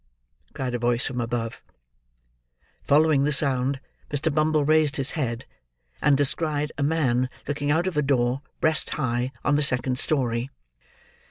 cried a voice from above. Following the sound, Mr. Bumble raised his head and descried a man looking out of a door, breast high, on the second story.